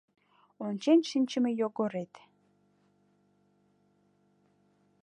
Ончен шинчыме Йогорет